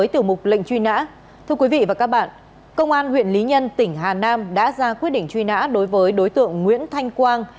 thưa quý vị và các bạn công an huyện lý nhân tỉnh hà nam đã ra quyết định truy nã đối với đối tượng nguyễn thanh quang